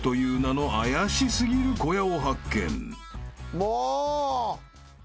もう！